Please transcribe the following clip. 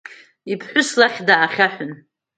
Иԥҳәыс лахь даахьаҳәын…